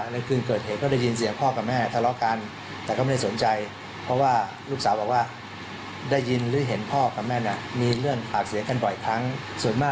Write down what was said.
แล้วก็เกิดการยื้อแย่งกันขึ้นนี่คือคำกล่าวอ้างนะ